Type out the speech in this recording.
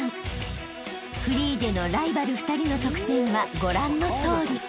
［フリーでのライバル２人の得点はご覧のとおり］